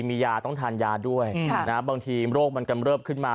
มียาต้องทานยาด้วยครับนะฮะบางทีโรคมันกำเลิฟขึ้นมา